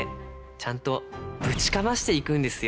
ちゃんとぶちかましていくんですよ！